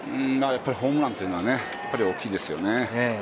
ホームランというのは大きいですよね。